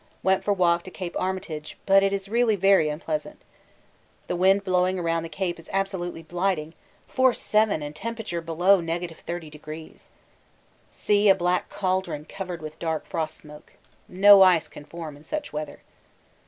Went for walk to Cape Armitage, but it is really very unpleasant. The wind blowing round the Cape is absolutely blighting, force 7 and temperature below 30°. Sea a black cauldron covered with dark frost smoke. No ice can form in such weather.